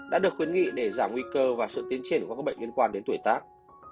đã được khuyến nghị để giảm nguy cơ và sự tiến triển của các bệnh liên quan đến tuổi tác